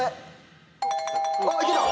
あっいけた。